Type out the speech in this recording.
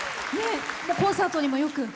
コンサートにもよく？